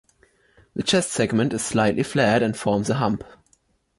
The chest segment is slightly flared and forms a hump.